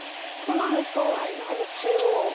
となるとやはり中央。